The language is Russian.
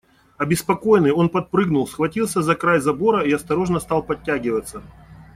Обеспокоенный, он подпрыгнул, схватился за край забора и осторожно стал подтягиваться.